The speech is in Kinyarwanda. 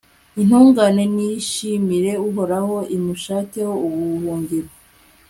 intungane niyishimire uhoraho, imushakeho ubuhungiro